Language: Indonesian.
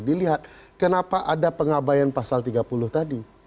dilihat kenapa ada pengabayan pasal tiga puluh tadi